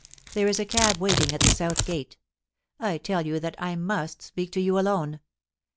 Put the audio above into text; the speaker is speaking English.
There is a cab waiting at the south gate. I tell you that I must speak to you alone.